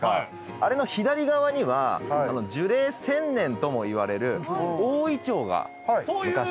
あれの左側には樹齢１，０００年ともいわれる大イチョウが昔。